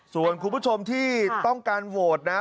ส่วนคุณผู้ชมที่ต้องการโหวตนะ